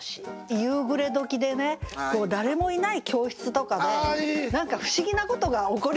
夕暮れ時でね誰もいない教室とかで何か不思議なことが起こりそうな気がしますよね。